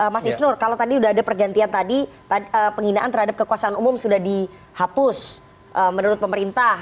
mas isnur kalau tadi sudah ada pergantian tadi penghinaan terhadap kekuasaan umum sudah dihapus menurut pemerintah